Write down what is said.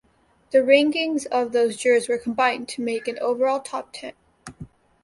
The rankings of those jurors were combined to make an overall top ten.